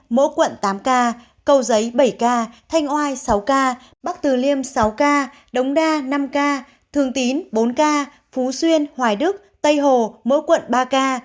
mỗi quận tám ca cầu giấy bảy ca thanh oai sáu ca bắc từ liêm sáu ca đống đa năm ca thường tín bốn ca phú xuyên hoài đức tây hồ mỗi quận ba ca